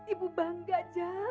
ibu bangga jal